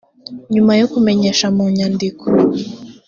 nyuma yo kumenyesha mu nyandiko